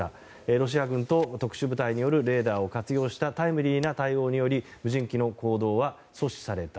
ロシア軍と特殊部隊によるレーダーを活用したタイムリーな対応により無人機の攻撃は阻止された。